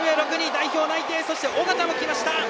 代表内定、そして小方もきました。